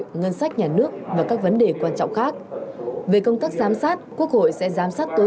ngân sách nhà nước và các vấn đề quan trọng khác về công tác giám sát quốc hội sẽ giám sát tối